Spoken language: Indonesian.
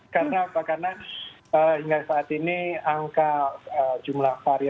karena apa karena hingga saat ini angka jumlah varian